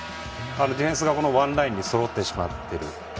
ディフェンスがワンラインにそろってしまっている。